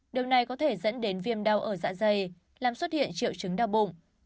điều này có thể dẫn đến viêm đau ở dạ dày làm xuất hiện triệu chứng đau bụng